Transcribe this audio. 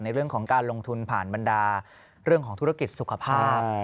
เรื่องของการลงทุนผ่านบรรดาเรื่องของธุรกิจสุขภาพ